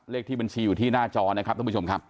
เลขที่บัญชีอยู่ที่หน้าจอนะครับท่านผู้ชมครับ